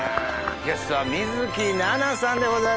ゲストは水樹奈々さんでございます。